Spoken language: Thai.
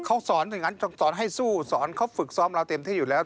เขาสอนให้สู้สอนเขาฝึกซ้อมเราเต็มที่อยู่แล้ว